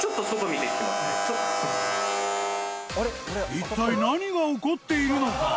一体何が起こっているのか！？